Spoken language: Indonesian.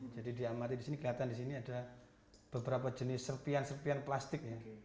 jadi di amati di sini kelihatan di sini ada beberapa jenis serpian serpian plastik